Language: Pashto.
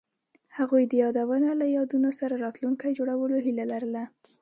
هغوی د یادونه له یادونو سره راتلونکی جوړولو هیله لرله.